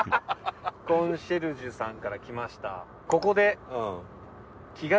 コンシェルジュさんからきました。